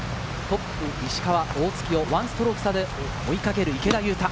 トップ・石川、大槻を１ストローク差で追いかける池田勇太。